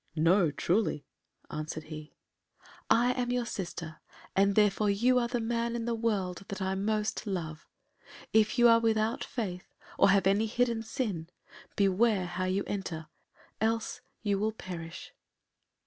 "No, truly," answered he. "I am your sister, and therefore you are the man in the world that I most love. If you are without faith, or have any hidden sin, beware how you enter, else you will perish."